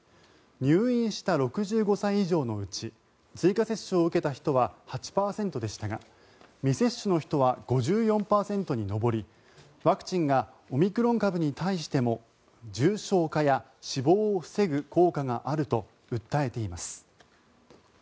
入院した６５歳以上のうち追加接種を受けた人は８％でしたが未接種の人は５４％に上りワクチンがオミクロン株に対しても重症化や死亡を防ぐ効果があると訴えています。